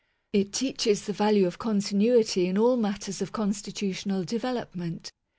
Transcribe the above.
It teaches the value of con tinuity in all matters of constitutional development.